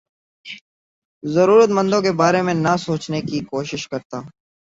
ضرورت مندوں کے بارے میں نہ سوچنے کی کوشش کرتا ہوں